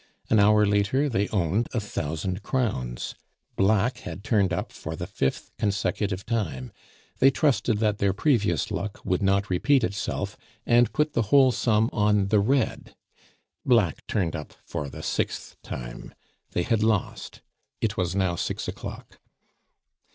An hour later they owned a thousand crowns. Black had turned up for the fifth consecutive time; they trusted that their previous luck would not repeat itself, and put the whole sum on the red black turned up for the sixth time. They had lost. It was now six o'clock.